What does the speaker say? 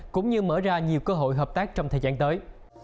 cũng như mở ra nhiều cơ hội hợp tác trong thời gian tới